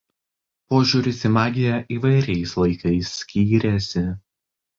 Požiūris į magiją įvairiais laikais skyrėsi.